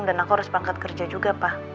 dan aku harus bangkat kerja juga pak